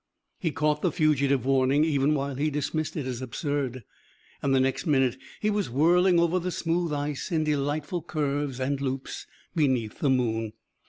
He caught the fugitive warning even while he dismissed it as absurd, and the next minute he was whirling over the smooth ice in delightful curves and loops beneath the moon.